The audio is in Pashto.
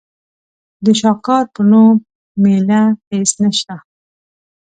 د شاکار په نوم مېله هېڅ نشته.